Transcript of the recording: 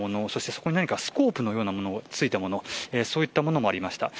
そこに何かスコープのようなものがついたものそういったものもありました。